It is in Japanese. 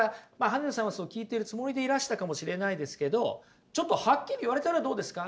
羽根田さんは聞いてるつもりでいらしたかもしれないですけどちょっとはっきり言われたらどうですか？